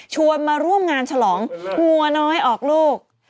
ชวนมาร่วมงานฉลองงวนเอาให้ออกลูก